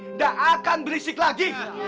tidak akan berisik lagi